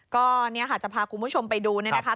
ก็เนี่ยค่ะจะพาคุณผู้ชมไปดูเนี่ยนะคะ